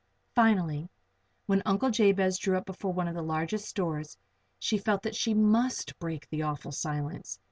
Finally, when Uncle Jabez drew up before one of the largest stores, she felt that she must break the awful silence.